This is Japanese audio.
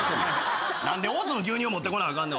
何で大津の牛乳持ってこなあかんねん。